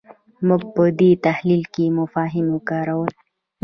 موږ په دې تحلیل کې مفاهیم وکارول.